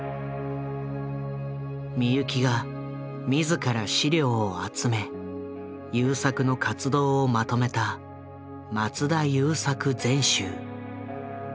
美由紀が自ら資料を集め優作の活動をまとめた「松田優作全集」。